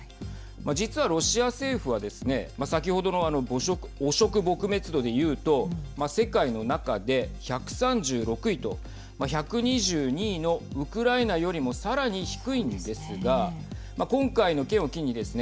実はロシア政府はですね先ほどの汚職撲滅度で言うと世界の中で１３６位と１２２位のウクライナよりもさらに低いんですが今回の件を機にですね